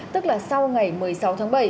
tức là sau ngày một mươi sáu tháng bảy